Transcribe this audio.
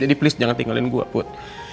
jadi please jangan tinggalin gue put